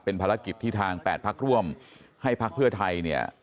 เป็นภารกิจที่ทาง๘พักร่วมให้พักเพื่อไทยเนี่ย